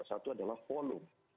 satu adalah volume